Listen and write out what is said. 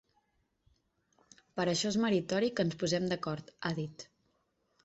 Per això és meritori que ens posem d’acord, ha dit.